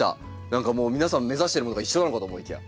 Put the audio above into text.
何かもう皆さん目指してるものが一緒なのかと思いきや。